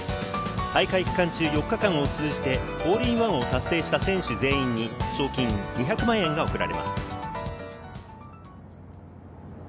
大会期間中４日間を通じてホールインワンを達成した選手全員に賞金２００万円が贈られます。